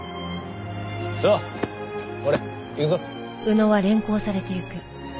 さあほれ行くぞ。